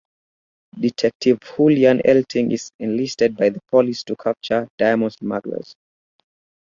Detective Julian Eltinge is enlisted by the police to capture diamond smugglers.